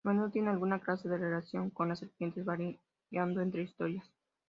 A menudo tiene alguna clase de relación con las serpientes, variando entre historias.